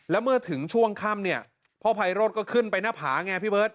แล้วเมื่อถึงช่วงค่ำเนี่ยพ่อไพโรธก็ขึ้นไปหน้าผาไงพี่เบิร์ต